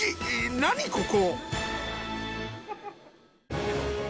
何ここ？